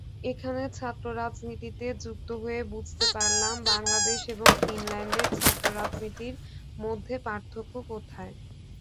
এখানে ছাত্ররাজনীতিতে যুক্ত হয়ে বুঝতে পারলাম বাংলাদেশ এবং ফিনল্যান্ডের ছাত্ররাজনীতির মধ্যে পার্থক্য কোথায়।